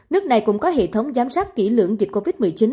nước này cũng có hệ thống giám sát kỹ lưỡng dịch covid một mươi chín